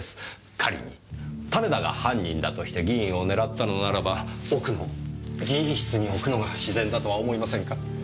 仮に種田が犯人だとして議員を狙ったのならば奥の議員室に置くのが自然だとは思いませんか？